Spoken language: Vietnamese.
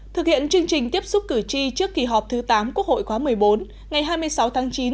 thực hiện chương trình tiếp xúc cử tri trước kỳ họp thứ tám quốc hội khóa một mươi bốn ngày hai mươi sáu tháng chín